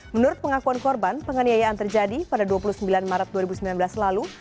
menurut pengakuan korban penganiayaan terjadi pada dua puluh sembilan maret dua ribu sembilan belas lalu